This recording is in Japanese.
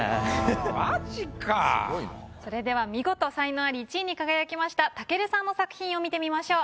それでは見事才能アリ１位に輝きました武尊さんの作品を見てみましょう。